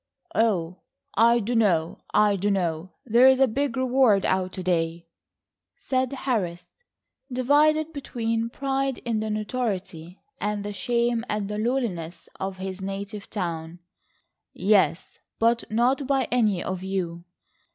"Oh, I dunno, I dunno, there is a big reward out to day," said Harris, divided between pride in the notoriety and shame at the lawlessness of his native town. "Yes, but not by any of you."